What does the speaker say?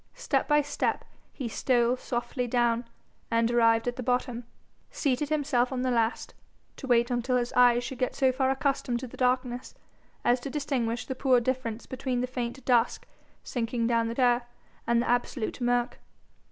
Step by step he stole softly down, and, arrived at the bottom, seated himself on the last to wait until his eyes should get so far accustomed to the darkness as to distinguish the poor difference between the faint dusk sinking down the stair and the absolute murk.